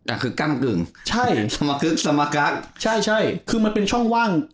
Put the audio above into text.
อ่ะคือกั้นกึ่งใช่สมกึ๊กสมกักใช่ใช่คือมันเป็นช่องว่าง